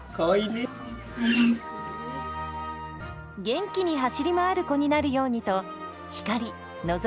元気に走り回る子になるようにとひかりのぞみ